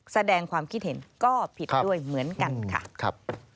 แสดงความคิดเห็นก็ผิดด้วยเหมือนกันค่ะ